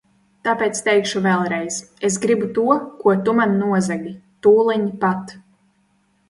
Tāpēc teikšu vēlreiz, es gribu to, ko tu man nozagi, tūliņ pat!